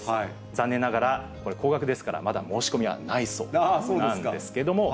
残念ながら、これ、高額ですから、まだ申し込みはないそうなんですそうですか。